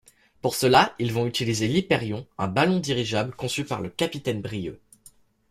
Pour cela, ils vont utiliser l'Hyperion, un ballon dirigeable conçu par le capitaine Brieux.